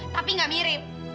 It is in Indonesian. tapi gak mirip